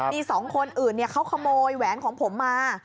มี๒คนอื่นเขาขโมยแหวนของผมมา